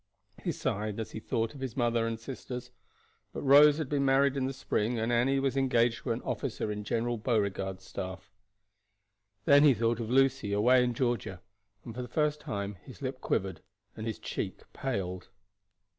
He sighed as he thought of his mother and sisters; but Rose had been married in the spring, and Annie was engaged to an officer in General Beauregard's staff. Then he thought of Lucy away in Georgia and for the first time his lip quivered and his cheek paled.